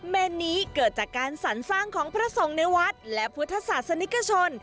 เมนนี้เกิดจากการสรรสร้างของพระสงฆ์ในวัดและพุทธศาสนิกชน